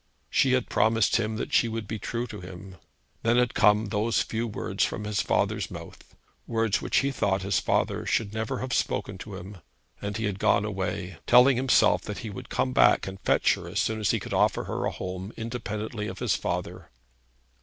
She had promised him that she would be true to him. Then had come those few words from his father's mouth, words which he thought his father should never have spoken to him, and he had gone away, telling himself that he would come back and fetch her as soon as he could offer her a home independently of his father.